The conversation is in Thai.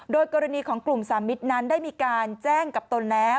โดยกรณีของกลุ่มสามมิตรนั้นได้มีการแจ้งกับตนแล้ว